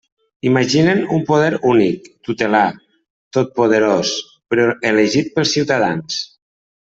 Imaginen un poder únic, tutelar, totpoderós, però elegit pels ciutadans.